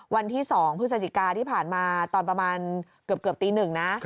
วันที่๒พฤศจิกาที่ผ่านมาตอนประมาณเกือบตีหนึ่งนะ